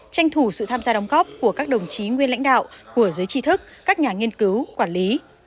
tranh thủ sự tham gia đóng góp của các đồng chí nguyên lãnh đạo của giới trí thức các nhà nghiên cứu quản lý